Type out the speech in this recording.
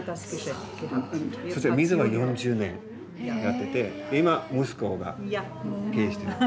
そして店は４０年やってて今息子が経営してる。